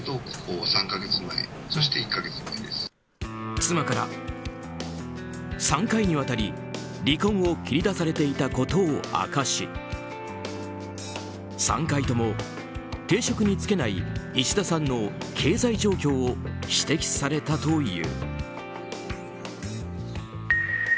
妻から、３回にわたり離婚を切り出されていたことを明かし３回とも、定職に就けないいしださんの経済状況を指摘されたという。